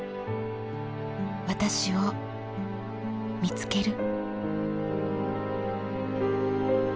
私を見つける。